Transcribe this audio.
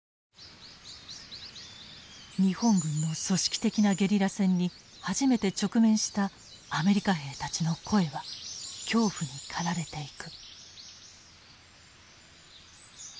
日本軍の組織的なゲリラ戦に初めて直面したアメリカ兵たちの声は恐怖に駆られていく。